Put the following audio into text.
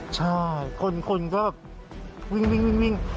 ใช่คนก็วิ่ง